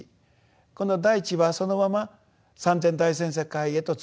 この大地はそのまま三千大千世界へと通じていく。